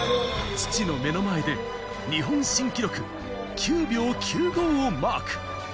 父の目の前で日本新記録９秒９５をマーク。